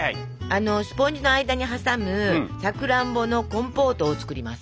スポンジの間にはさむさくらんぼのコンポートを作ります。